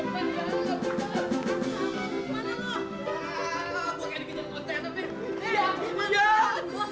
belum suruh berhenti lo kagak berhenti